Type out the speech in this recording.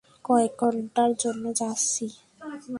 কয়েক ঘন্টার জন্য যাচ্ছি।